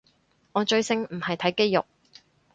我追星唔係睇肌肉